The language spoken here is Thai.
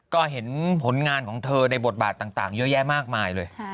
ก็เห็นผลงานของเธอในบทบาทต่างเยอะแยะมากมายเลย